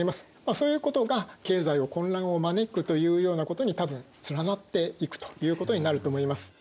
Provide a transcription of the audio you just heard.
そういうことが経済の混乱を招くというようなことに多分つながっていくということになると思います。